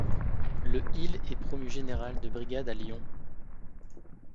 Le il est promu général de brigade à Lyon.